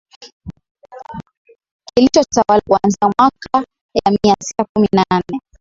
Kilichotawala kuanzia miaka ya mia sita kumi na nane